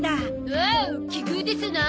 おお奇遇ですな！